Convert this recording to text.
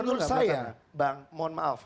dan menurut saya bang mohon maaf